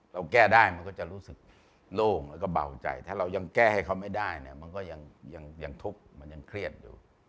เราแก้ได้มันก็จะรู้สึกโล่งแล้วก็เบาใจถ้าเรายังแก้ให้เขาไม่ได้เนี่ยมันก็ยังทุกข์มันยังเครียดอยู่